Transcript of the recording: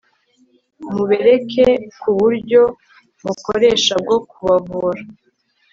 Mubereke ko uburyo mukoresha bwo kubavura